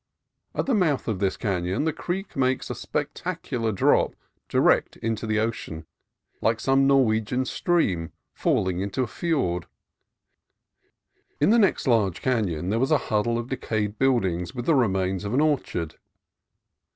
At the mouth of this canon the creek makes a spectacular drop direct into the ocean, like some Norwegian stream falling into a fiord. In the next large canon there was a huddle of de cayed buildings with the remains of an orchard.